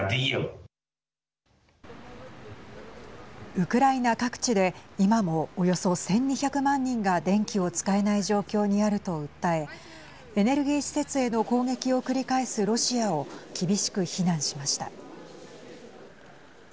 ウクライナ各地で今もおよそ１２００万人が電気を使えない状況にあると訴えエネルギー施設への攻撃を繰り返すロシアを厳しく非難しました。